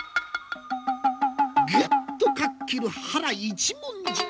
ぐっとかっ切る腹一文字。